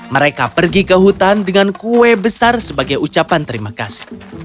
mereka pergi ke hutan dengan kue besar sebagai ucapan terima kasih